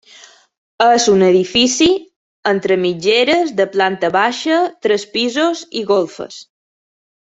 És un edifici entre mitgeres de planta baixa, tres pisos i golfes.